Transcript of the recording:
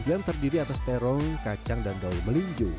dan terdiri atas terong kacang dan daun melinju